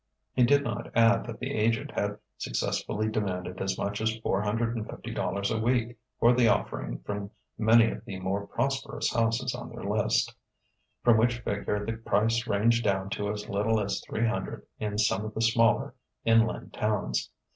He did not add that the agent had successfully demanded as much as four hundred and fifty dollars a week for the offering from many of the more prosperous houses on their list; from which figure the price ranged down to as little as three hundred in some of the smaller inland towns.